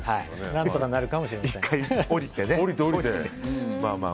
何とかなるかもしれません。